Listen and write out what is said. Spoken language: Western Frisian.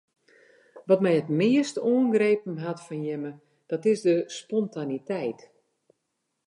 Wat my it meast oangrepen hat fan jimme dat is de spontaniteit.